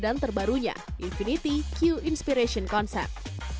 dan terbarunya infiniti q inspiration concept